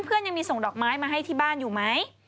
ยังมีส่งดอกไม้มาให้ที่บ้านอยู่ไหม